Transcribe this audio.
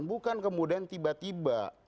bukan kemudian tiba tiba